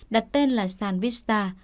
đặt tên là sàn vista